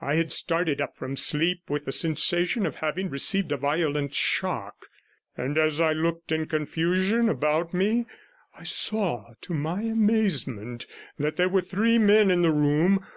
I had started up from sleep with the sensation of having received a violent shock; and as I looked in confusion about me, I saw, to my amazement, that there were three men in the room.